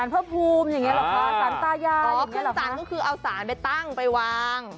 ขึ้นสารก็คือเอาสารไปตั้งไปวาง